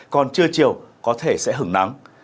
còn trưa chiều có thể sẽ hứng nắng